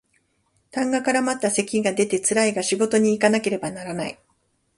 痰が絡まった咳が出てつらいが仕事にいかなければならない